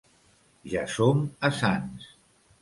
Ja som a Sants.